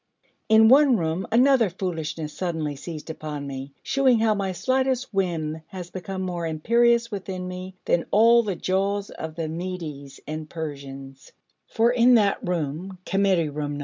In one room another foolishness suddenly seized upon me, shewing how my slightest whim has become more imperious within me than all the Jaws of the Medes and Persians: for in that room, Committee Room No.